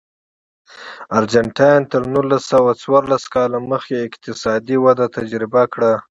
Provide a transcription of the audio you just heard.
ارجنټاین تر نولس سوه څوارلس کال مخکې اقتصادي وده تجربه کړه.